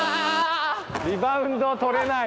リバウンドとれない。